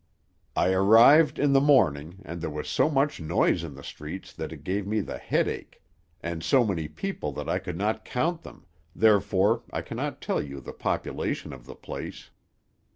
I arrived in the morning, and there was so much noise in the streets that it gave me the headache; and so many people that I could not count them, therefore I cannot tell you the population of the place.